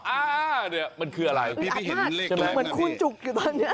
อ่าเนี่ยมันคืออะไรมันเหมือนคุณจุกอยู่ตอนเนี้ย